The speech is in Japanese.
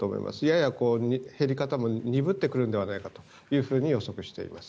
やや減り方も鈍ってくるのではないかと予測しています。